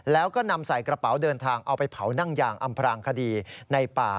แล้วก็นำใส่กระเป๋าเดินทางเอาไปเผานั่งยางอำพลางคดีในป่า